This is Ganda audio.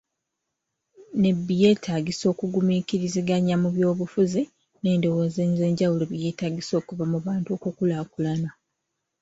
Nebbi yeetaagisa okugumiikiriziganya mu by'obufuzi n'endowooza ez'enjawulo bye byetaagisa okuva mu bantu okukulaakulana.